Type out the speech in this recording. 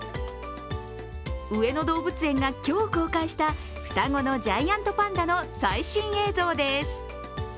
上野動物園が今日、公開した双子のジャイアントパンダの最新映像です。